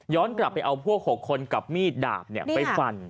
ย้อนกลับไปเอาพวก๖คนกับมีดดาบเนี่ยไปฟัน